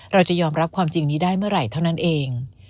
เราจะยอมรับความจริงนี้ได้เมื่อไหร่เท่านั้นเอง